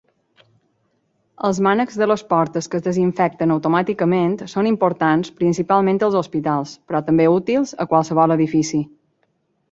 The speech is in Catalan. Els mànecs de les portes que es desinfecten automàticament són importants principalment als hospitals, però també útils a qualsevol edifici.